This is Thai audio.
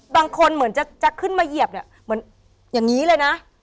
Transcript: บางคนเหมือนจะขึ้นมาเหยียบอย่างนี้เลยนะ